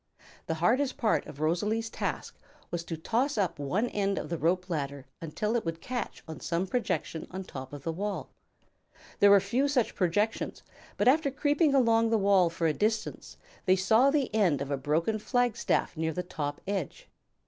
The hardest part of Rosalie's task was to toss up one end of the rope ladder until it would catch on some projection on top of the wall. There were few such projections, but after creeping along the wall for a distance they saw the end of a broken flagstaff near the top edge.